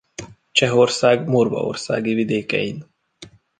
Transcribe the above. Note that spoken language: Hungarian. Csehország morvaországi vidékein.